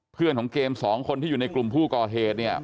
เพื่อนของเกมสองคนที่อยู่ในกลุ่มผู้ก่อเหตุเนี่ย